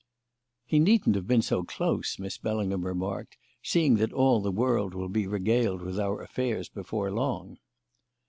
"He needn't have been so close," Miss Bellingham remarked, "seeing that all the world will be regaled with our affairs before long."